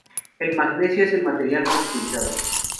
El magnesio es el material más utilizado.